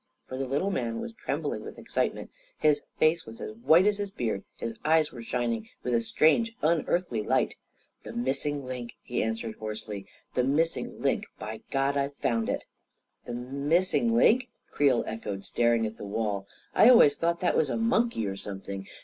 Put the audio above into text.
For the little man was trembling with excite ment; his face was as white as his beard; his eyes were shining with a strange, unearthly light. 44 The missing link !" he answered hoarsely. "The missing link I By God, I've found it I "" The missing link I " Creel echoed, staring at the wall ;" I always thought that was a monkey or some thing